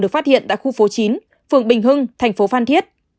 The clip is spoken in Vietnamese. được phát hiện tại khu phố chín phường bình hưng thành phố phan thiết